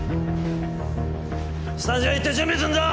スタジオ行って準備するぞ！